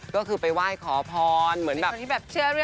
ก็คือไปไหว้ขอพรเหมือนแบบบทบายสรรคาว